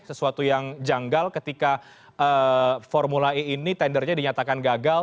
sesuatu yang janggal ketika formula e ini tendernya dinyatakan gagal